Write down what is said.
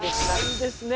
いいですね。